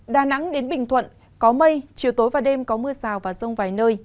đà nẵng đến bình thuận có mây chiều tối và đêm có mưa rào và rông vài nơi